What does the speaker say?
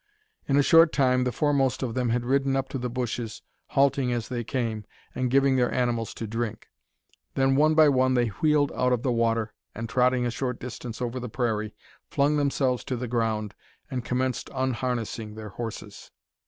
In a short time the foremost of them had ridden up to the bushes, halting as they came, and giving their animals to drink. Then one by one they wheeled out of the water, and trotting a short distance over the prairie, flung themselves to the ground, and commenced unharnessing their horses.